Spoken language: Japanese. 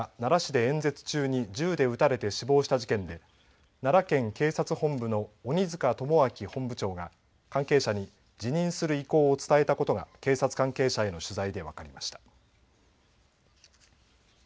安倍元総理大臣が奈良市で演説中に銃で撃たれて死亡した事件で奈良県警察本部の鬼塚友章本部長が関係者に辞任する意向を伝えたことが警察関係者への取材で分かりました。